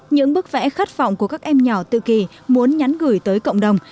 những bức vẽ khát vọng của các em nhỏ tự kỳ muốn nhắn gửi tới cộng đồng